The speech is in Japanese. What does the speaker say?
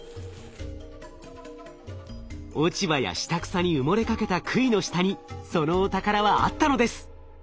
落ち葉や下草に埋もれかけたくいの下にそのお宝はあったのです！